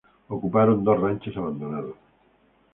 Ocuparon dos ranchos abandonados.